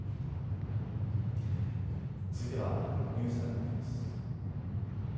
続いてはＮｅｗｓＴａｇにまいります。